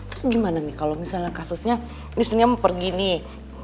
terus gimana nih kalo misalnya kasusnya istrinya mau pergi nih